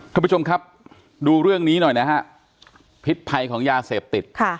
ท่านผู้ชมครับดูเรื่องนี้หน่อยนะฮะพิษภัยของยาเสพติดค่ะ